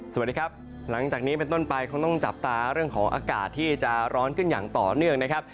สวัสดีครับหลังจากนี้เป็นต้นไปคงต้องจับตาเรื่องของอากาศที่จะร้อนขึ้นอย่างต่อเนื่องนะครับ